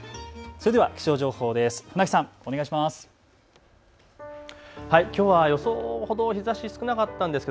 それでは気象情報です。